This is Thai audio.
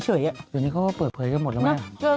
เขาเปิดเสียงแล้ว